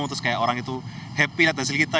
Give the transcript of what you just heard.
terus kayak orang itu happy lihat hasil kita